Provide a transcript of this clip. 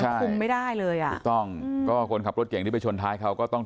คุมไม่ได้เลยอ่ะถูกต้องก็คนขับรถเก่งที่ไปชนท้ายเขาก็ต้อง